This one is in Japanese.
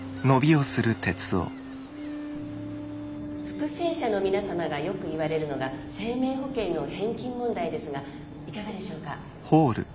復生者の皆様がよく言われるのが生命保険の返金問題ですがいかがでしょうか？